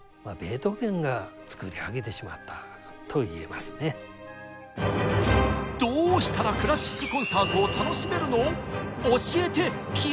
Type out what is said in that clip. まさにどうしたらクラシックコンサートを楽しめるの？